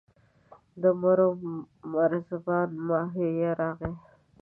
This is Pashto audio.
د مرو مرزبان ماهویه راغی.